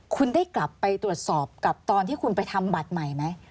คุณได้กลับไปตรวจสอบกับตอนที่คุณไปทำบัตรใหม่ไหม